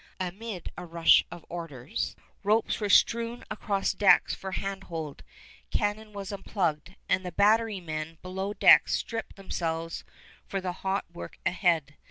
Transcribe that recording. Amid a rush of orders, ropes were stretched across decks for handhold, cannon were unplugged, and the batterymen below decks stripped themselves for the hot work ahead.